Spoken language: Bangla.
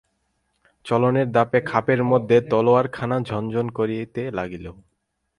চলনের দাপে খাপের মধ্যে তলোয়ারখানা ঝনঝন করিতে লাগিল।